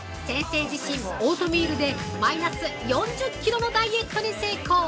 先生自身オートミールでマイナス４０キロのダイエットに成功！